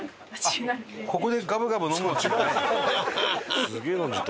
あっここでガブガブ飲むわけじゃない。